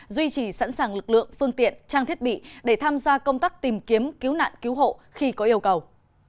duy trì sẵn sàng lực lượng phương tiện trang thiết bị để tham gia công tác tìm kiếm cứu nạn cứu hộ khi có yêu cầu